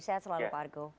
sehat selalu pak argo